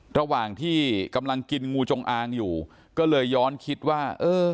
ระหว่างที่กำลังกินงูจงอางอยู่ก็เลยย้อนคิดว่าเออ